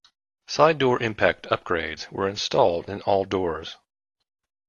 Side door impact upgrades were installed in all doors.